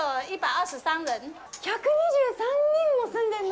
１２３人も住んでんの！？